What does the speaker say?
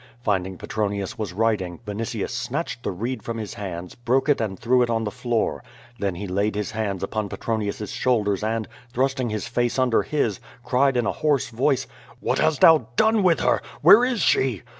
Finding Petronius was writing, Vinitius snatched the reed from his hands, broke it and threw it on the floor. Then he laid his hands upon Petronius's shoulders and, thrusting his face under his, cried in a hoarse voice: "What hast thou done with her? Where is she?"